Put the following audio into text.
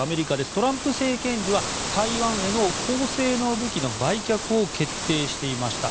トランプ政権時は台湾への高性能武器の売却を決定していました。